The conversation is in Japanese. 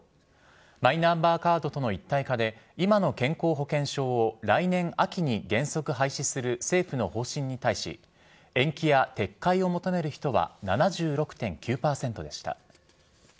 マイナンバーカードとの一体化で、今の健康保険証を来年秋に原則廃止する政府の方針に対し、延期や撤回を求める人は７６．９％でした。